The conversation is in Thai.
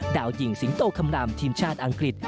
ดาวหญิงสิงโตคำรำทีมชาติอังกฤษ